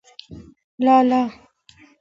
لالا